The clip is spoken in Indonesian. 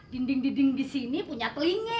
dinding dinding disini punya telinga